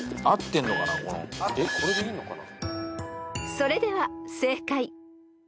［それでは正解］